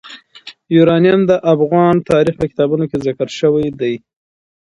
یورانیم د افغان تاریخ په کتابونو کې ذکر شوی دي.